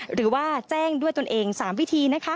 หรือว่าแจ้งด้วยตนเอง๓วิธีนะคะ